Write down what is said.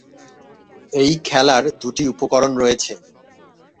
এই খেলার দুটি উপকরণ রয়েছে।